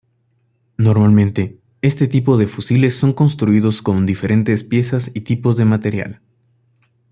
Normalmente, este tipo de fusiles son construidos con diferentes piezas y tipos de material.